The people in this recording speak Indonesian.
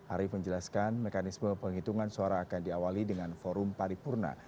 arief menjelaskan mekanisme penghitungan suara akan diawali dengan forum paripurna